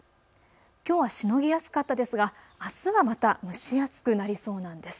きょうはしのぎやすかったですがあすはまた蒸し暑くなりそうなんです。